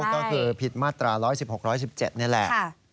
ก็คือผิดมาตรา๑๑๖๑๗นี่แหละ